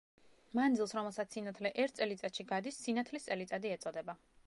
მანძილს, რომელსაც სინათლე ერთ წელიწადში გადის, სინათლის წელიწადი ეწოდება.